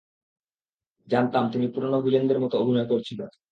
জানতাম, তিনি পুরনো ভিলেনদের মতো অভিনয় করছিল।